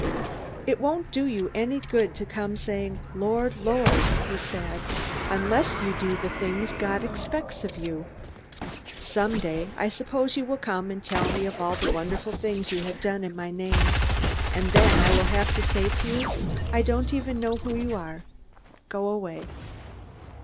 "It won't do you any good to come saying, 'Lord, Lord,'" he said, "unless you do the things God expects of you. Someday, I suppose you will come and tell me of all the wonderful things you have done in my name. And then I will have to say to you: 'I don't even know who you are. Go away!'